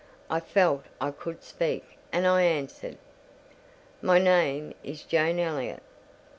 I felt I could speak, and I answered—"My name is Jane Elliott."